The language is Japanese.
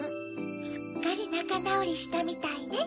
すっかりなかなおりしたみたいね。